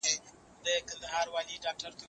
د ابن خلدون نظريات په نړۍ کي منل سوي دي.